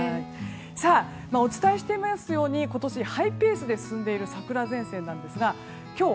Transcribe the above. お伝えしていますように今年、ハイペースで進んでいる桜前線ですが今日、